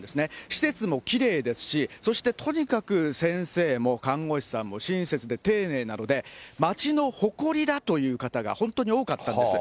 施設もきれいですし、そしてとにかく、先生も看護師さんも親切で丁寧なので、町の誇りだという方が本当に多かったんです。